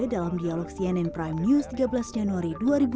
dalam dialog cnn prime news tiga belas januari dua ribu dua puluh